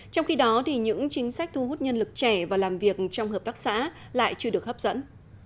trong khi đó thì những chính sách thu hút nhân lực trẻ và làm việc trong hợp tác xã lại chưa được hấp dẫn